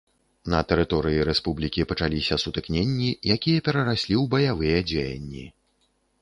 На тэрыторыі рэспублікі пачаліся сутыкненні, якія перараслі ў баявыя дзеянні.